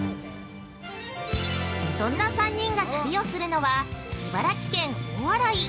そんな３人が旅をするのは茨城県・大洗。